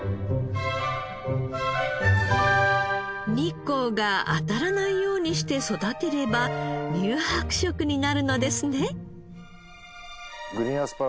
日光が当たらないようにして育てれば乳白色になるのですね。